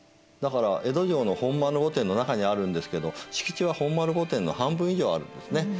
だから江戸城の本丸御殿の中にあるんですけど敷地は本丸御殿の半分以上あるんですね。